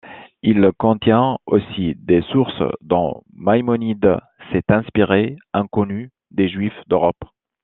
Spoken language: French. Il contient aussi des sources dont Maïmonide s’est inspiré, inconnues des Juifs d’Europe.